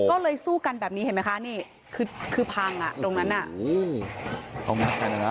โอ้โหของนักฆ่านั้นหรอ